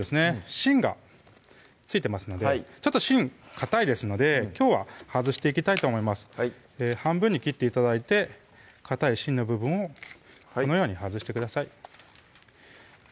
芯が付いてますのでちょっと芯かたいですのできょうは外していきたいと思います半分に切って頂いてかたい芯の部分をこのように外してください